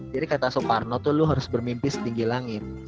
jadi kata soekarno tuh lu harus bermimpi setinggi langit